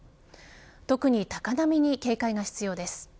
特に高波に警戒が必要です。